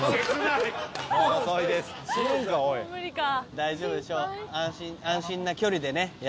大丈夫でしょう。